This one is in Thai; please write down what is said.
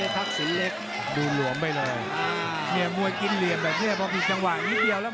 ผู้หลงสู้มองเห็นอาวุธหมดเลย